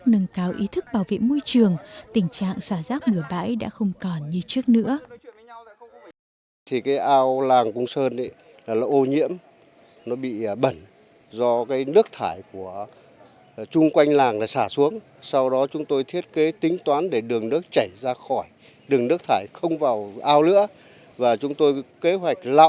nếu các nâng cao ý thức bảo vệ môi trường tình trạng xả rác mửa bãi đã không còn như trước nữa